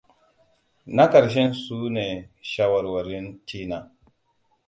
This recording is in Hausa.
Na ƙarshen su ne shawarwarin Tina.